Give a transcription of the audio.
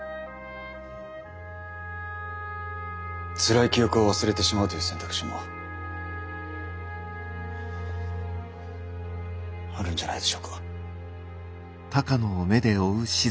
つらい記憶を忘れてしまうという選択肢もあるんじゃないでしょうか。